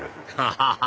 ハハハハ！